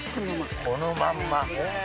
このまんま。